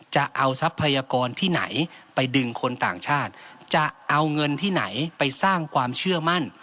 ทรัพยากรที่ไหนไปดึงคนต่างชาติจะเอาเงินที่ไหนไปสร้างความเชื่อมั่น